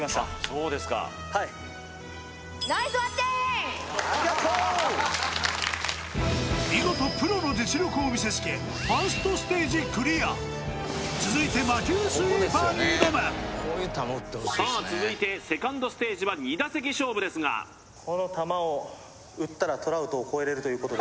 そうですかはい見事プロの実力を見せつけファーストステージクリア続いて魔球スイーパーに挑むさあ続いてセカンドステージは２打席勝負ですが頑張ります！